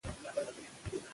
صداقت د بریا لومړی پړاو دی.